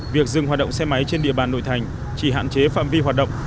việc dừng hoạt động xe máy trên địa bàn nội thành chỉ hạn chế phạm vi hoạt động